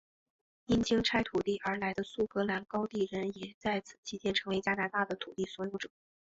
因清拆土地而来的苏格兰高地人也在此期间成为加拿大的土地所有者。